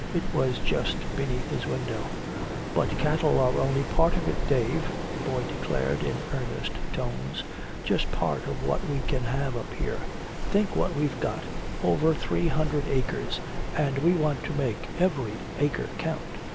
It was just beneath his window: "But cattle are only part of it, Dave," the boy declared, in earnest tones, "just part of what we can have up here. Think what we've got over three hundred acres! And we want to make every acre count!